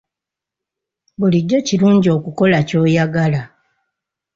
Bulijjo kirungi okukola ky'oyagala.